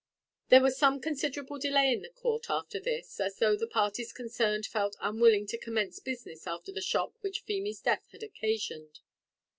There was some considerable delay in the court after this, as though all the parties concerned felt unwilling to commence business after the shock which Feemy's death had occasioned.